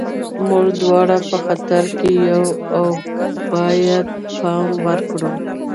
موږ دواړه په خطر کې یو او باید پام وکړو